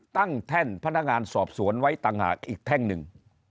แท่นพนักงานสอบสวนไว้ต่างหากอีกแท่งหนึ่ง